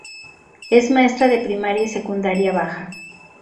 Es maestra de primaria y secundaria baja.